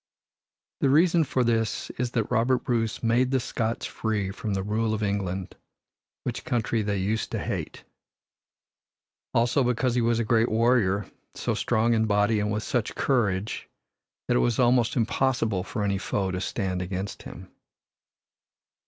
The reason for this is that Robert Bruce made the Scots free from the rule of England, which country they used to hate. Also because he was a great warrior, so strong in body and with such courage that it was almost impossible for any foe to stand against him.